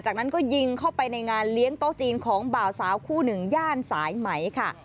จากนั้นก็ยิงเข้าไปในงานเลี้ยงโต๊ะจีนของบ่าวสาวคู่หนึ่งย่านสายไหมค่ะ